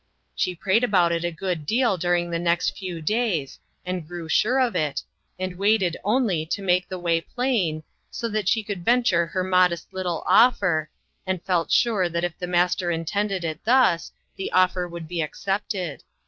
She prayed about it a good deal during the next few days, and grew sure of it, and waited only to make the way plain, so that LIFTED UP. 83 she could venture her modest little offer, and felt sure that if the Master intended it thus, the offer would be accepted.